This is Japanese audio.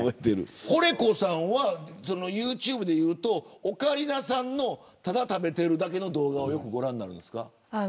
コレコさんはユーチューブでいうとオカリナさんのただ食べているだけの動画をよくご覧になるんですか。